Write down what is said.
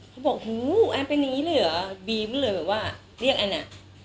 เขาบอกหูแอนเป็นอย่างนี้เลยเหรอบีมเลยแบบว่าเรียกแอนอ่ะ